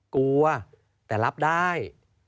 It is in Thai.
กลัวแต่รับได้